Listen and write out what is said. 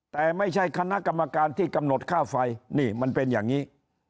แต่ไม่ใช่คณะกรรมการที่กำหนดค่าไฟนี่มันเป็นอย่างนี้